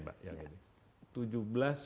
selesai ini mbak